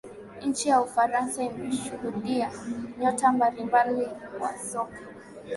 Nchi ya ufaransa imeshuhudia nyota mbalimbali wa soka